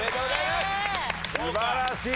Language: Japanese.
すばらしい！